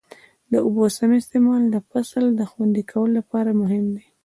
د اوبو سم استعمال د فصل د خوندي کولو لپاره مهم دی.